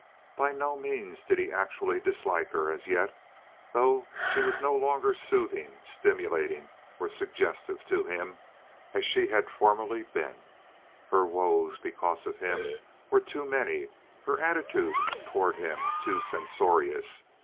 By no means did he actually dislike her as yet; though she was no longer soothing, stimulating, or suggestive to him as she had formerly been. Her woes, because of him, were too many; her attitude toward him too censorious.